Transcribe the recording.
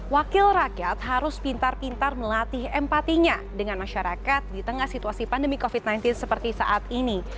wakil rakyat harus pintar pintar melatih empatinya dengan masyarakat di tengah situasi pandemi covid sembilan belas seperti saat ini